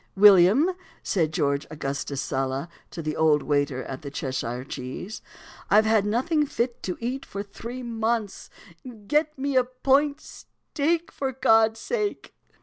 "William," said George Augustus Sala to the old waiter at the "Cheshire Cheese," "I've had nothing fit to eat for three months; get me a point steak, for God's sake!"